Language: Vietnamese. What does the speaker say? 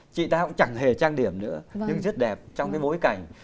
chị ta cũng chẳng hề trang điểm nữa nhưng rất đẹp trong cái bối cảnh